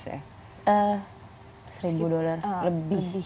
seribu dolar lebih